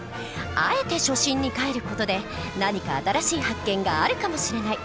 あえて初心にかえる事で何か新しい発見があるかもしれない！